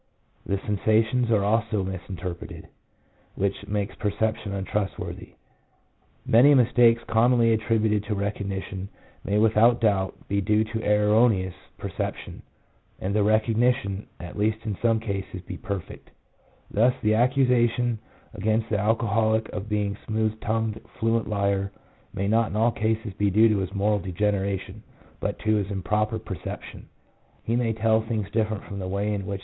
The sensations are also misinterpreted, which makes perception untrust worthy. Many mistakes commonly attributed to recognition may without doubt be due to erroneous perception, and the recognition, at least in some cases, be perfect. Thus, the accusation against the alcoholic of being a smooth tongued, fluent liar, may not in all cases be due to his moral degeneration, but to his improper perception ; he may tell things different from the way in which they appear to the 1 H.